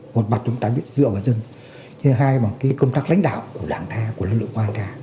một mặt chúng ta biết dựa vào dân nhưng hai mặt công tác lãnh đạo của đảng ta của lực lượng hoàn cả